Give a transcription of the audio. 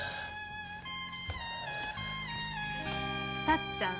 タッちゃん